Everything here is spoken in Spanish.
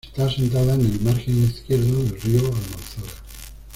Está asentada en el margen izquierdo del río Almanzora.